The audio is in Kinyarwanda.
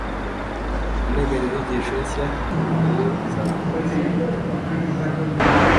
Integanyanyigisho nshya nayo izakomeza